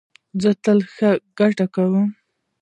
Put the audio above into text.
زه تل ښه ګټه کوم